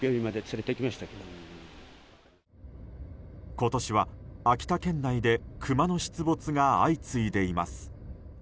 今年は秋田県内でクマの出没が相次いでいます。